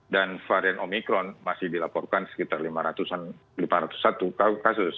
dan varian omicron masih dilaporkan sekitar lima ratus satu kasus